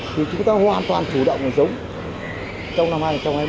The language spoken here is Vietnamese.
thì chúng ta hoàn toàn chủ động giống trong năm hai nghìn hai mươi